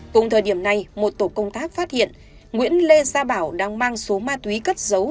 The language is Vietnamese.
cùng thời điểm này một tổ công tác phát hiện nguyễn lê gia bảo đang mang số ma túy cất dấu